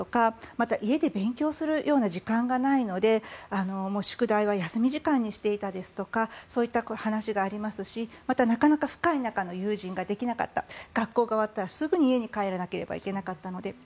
また、家で勉強するような時間がないので宿題は休み時間にしていたりとかそういった話がありますしまた、なかなか深い仲の友人ができなかった学校が終わったら、すぐに家に帰らないといけなかったので。